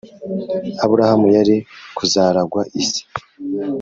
Aburahamu yari kuzaragwa isi